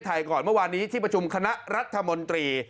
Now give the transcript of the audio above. ก่อนเมื่อวานนี้ที่ประชุมคณะรัฐมนตรี